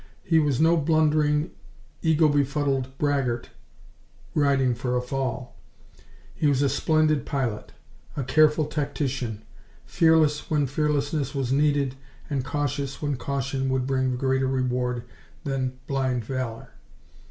He was no blundering, egobefuddled braggart riding for a fall; he was a splendid pilot, a careful tactician, fearless when fearlessness was needed and cautious when caution would bring greater reward than blind valor.